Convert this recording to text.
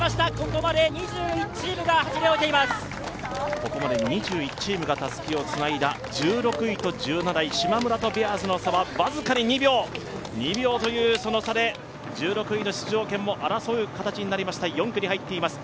ここまで２１チームがたすきをつないだ、１６位と１７位、しまむらとベアーズの差は、僅かに２秒という差で１６位の出場権も争う形になりました、４区に入っています。